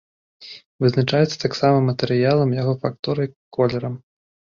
Вызначаецца таксама матэрыялам, яго фактурай, колерам.